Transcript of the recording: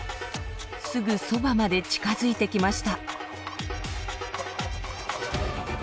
すぐそばまで近づいてきました。